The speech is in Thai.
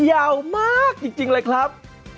ยาวมากจริงเลยครับ